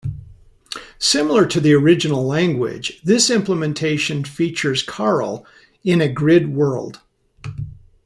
Similar to the original language, this implementation features Karel in a grid world.